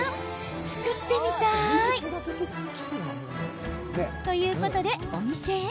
作ってみたい！ということでお店へ。